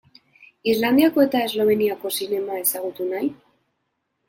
Islandiako eta Esloveniako zinema ezagutu nahi?